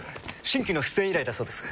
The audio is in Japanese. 新規の出演依頼だそうです。